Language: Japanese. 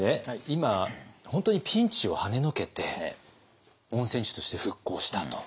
今本当にピンチをはねのけて温泉地として復興したと。